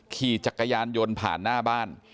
ขี่จักรยานยนต์ผ่านหน้าบ้าน